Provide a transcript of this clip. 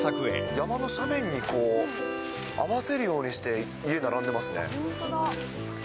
山の斜面にこう、合わせるようにして家並んでますね。